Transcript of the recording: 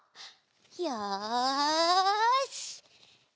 よし！